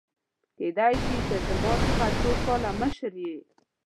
کيدای شي ته زما څخه څو کاله مشر يې !؟